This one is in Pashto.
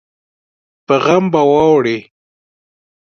په غم به واوړې